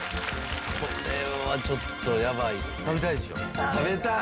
これはちょっとやばいですね。